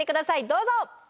どうぞ！